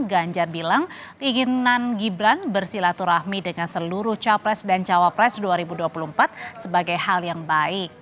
ganjar bilang keinginan gibran bersilaturahmi dengan seluruh capres dan cawapres dua ribu dua puluh empat sebagai hal yang baik